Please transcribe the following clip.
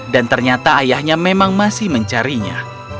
dan ternyata ayahnya memang masih mencarinya